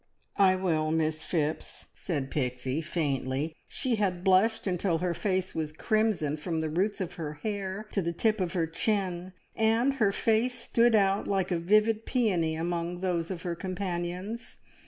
"I will, Miss Phipps," said Pixie faintly. She had blushed until her face was crimson from the roots of her hair to the tip of her chin, and her face stood out like a vivid peony among those of her companions.